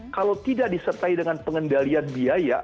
kalau tidak disertai dengan pengendalian biaya